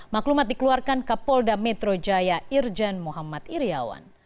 maklumat dikeluarkan kapolda metro jaya irjen muhammad iryawan